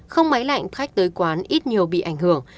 không máy lạnh khách tới quán ít nhiều bị ảnh hưởng